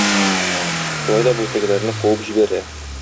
Шулай да бу тегеләрне куып җибәрә.